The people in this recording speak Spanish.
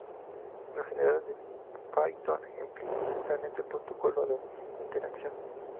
Los generadores de Python implementan este protocolo de iteración.